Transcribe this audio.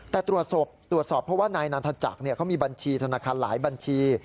แต่ตรวจสอบเพราะว่านายนันทจักรเขามีบัญชีธนาคารหลายบัญชี